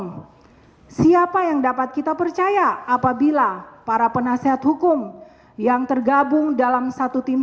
hai siapa yang dapat kita percaya apabila para penasihat hukum yang tergabung dalam satu tim